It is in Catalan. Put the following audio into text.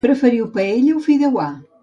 Preferiu paella o fideuà?